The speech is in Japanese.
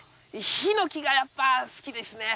ヒノキがやっぱ好きですね。